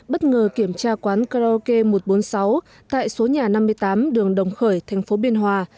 bất ngờ kiểm tra quán karaoke một trăm bốn mươi sáu tại số nhà năm mươi tám đường đồng khởi thành phố biên hòa